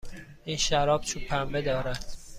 این شراب چوب پنبه دارد.